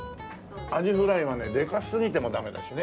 アジフライがねでかすぎてもダメだしね。